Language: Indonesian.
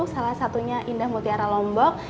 salah satunya indah mutiara lombok